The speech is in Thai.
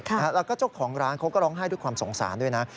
แล้วก็เจ้าของร้านเขาก็ร้องไห้ด้วยความสงสารด้วยนะ